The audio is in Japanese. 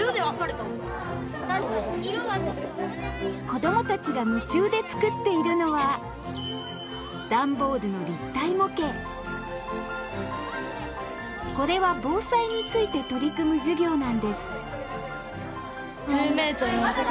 子供たちが夢中で作っているのはこれは防災について取り組む授業なんです